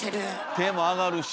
手も上がるし。